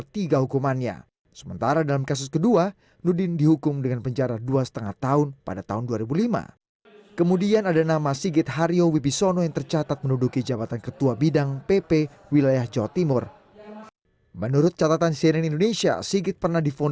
tim itu karena saya juga